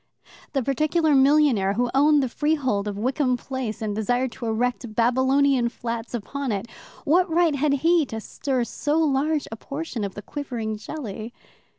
The particular millionaire who owned the freehold of Wickham Place, and desired to erect Babylonian flats upon it what right had he to stir so large a portion of the quivering jelly?